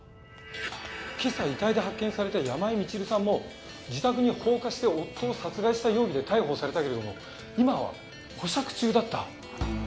今朝遺体で発見された山井満留さんも自宅に放火して夫を殺害した容疑で逮捕されたけれども今は保釈中だった。